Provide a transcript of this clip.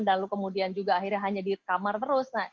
lalu kemudian juga akhirnya hanya di kamar terus